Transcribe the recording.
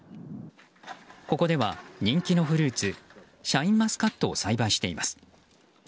ここでは人気のフルーツシャインマスカットを栽培しています。